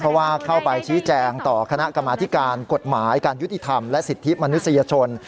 เพราะว่าเข้าไปชี้แจงต่อคณะกรรมธิการกฎหมายการยุติธรรมและสิทธิมนุษยชน